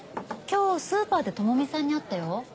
今日スーパーで智美さんに会ったよ。